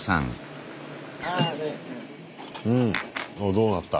どうなった？